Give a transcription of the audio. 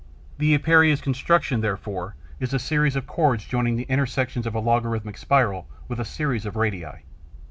The Epeira's construction, therefore, is a series of chords joining the intersections of a logarithmic spiral with a series of radii.